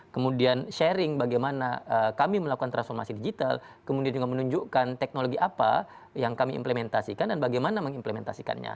kemudian sharing bagaimana kami melakukan transformasi digital kemudian juga menunjukkan teknologi apa yang kami implementasikan dan bagaimana mengimplementasikannya